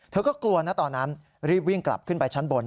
เธอก็กลัวนะตอนนั้นรีบวิ่งกลับขึ้นไปชั้นบน